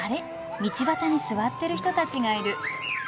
道端に座ってる人たちがいる。